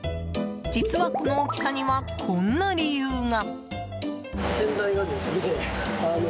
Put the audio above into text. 実は、この大きさにはこんな理由が。